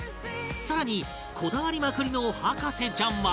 更にこだわりまくりの博士ちゃんは